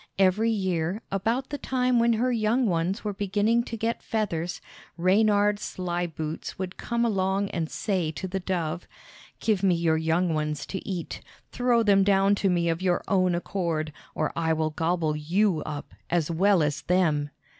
Every year, about the time when her young ones were beginning to get feathers, Reynard Sly Boots would come along and say to the dove: "Give me your young ones to eat; throw them down to me of your own accord, or I will gobble you up, as well as them!"